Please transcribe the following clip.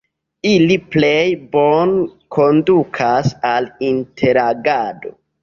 Ili plej bone kondukas al interagado.